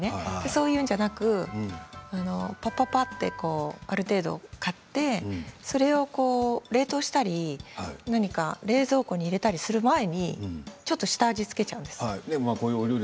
そういうんじゃなくぱぱぱっと、ある程度買ってそれを冷凍したり冷蔵庫に入れたりする前にちょっと下味を付けちゃうんです。